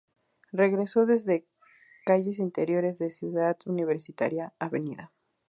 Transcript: Regreso: Desde calles interiores de Ciudad Universitaria, Av.